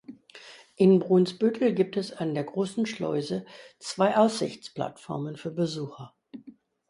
In Brunsbüttel gibt es an der Großen Schleuse zwei Aussichtsplattformen für Besucher.